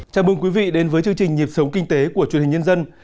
chào mừng quý vị đến với chương trình nhịp sống kinh tế của truyền hình nhân dân